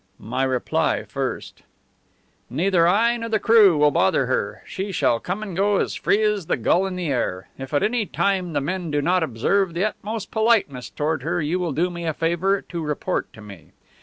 "My reply first." "Neither I nor the crew will bother her. She shall come and go free as the gull in the air. If at any time the men do not observe the utmost politeness toward her you will do me a favour to report to me.